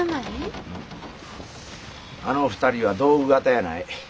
あの２人は道具方やない。